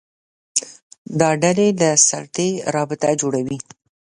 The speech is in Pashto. دا ډلې له سلطې رابطه جوړوي